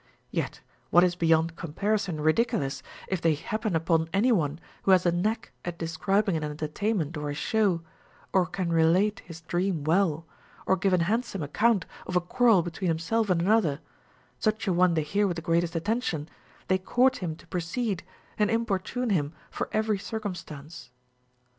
Yet, what is beyond comparison ridiculous, if they happen upon any one who has a knack at describing an entertainment or a show, or can relate his dream well, or give an handsome account of a quarrel between himself and another, such a one they hear with the greatest attention, they court him to proceed, and importune him for every circumstance.